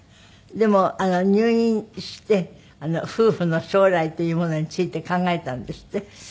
でも入院して夫婦の将来というものについて考えたんですって？